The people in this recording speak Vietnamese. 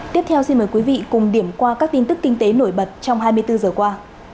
tiếp theo xin mời quý vị cùng điểm qua các tin tức kinh tế nổi bật trong hai mươi bốn giờ qua